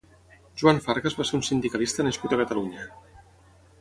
Joan Fargas va ser un sindicalista nascut a Catalunya.